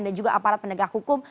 juga aparat penegak hukum